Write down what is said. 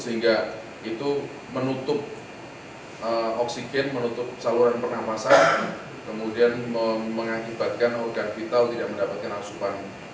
sehingga itu menutup oksigen menutup saluran pernafasan kemudian mengakibatkan organ vital tidak mendapatkan asupan